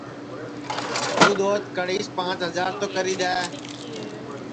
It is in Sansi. مِسکُو دؔوت کڑیس پانٚچ ہجار تو کری دؔے